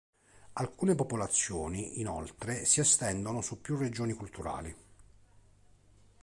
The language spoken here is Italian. Alcune popolazioni, inoltre, si estendono su più regioni culturali.